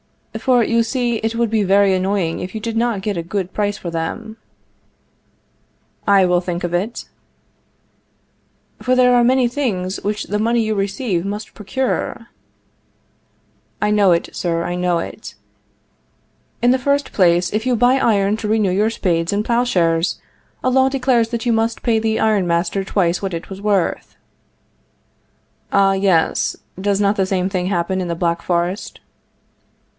For, you see, it would be very annoying if you did not get a good price for them. I will think of it. For there are many things which the money you receive must procure. I know it, sir. I know it. In the first place, if you buy iron to renew your spades and plowshares, a law declares that you must pay the iron master twice what it was worth. Ah, yes; does not the same thing happen in the Black Forest?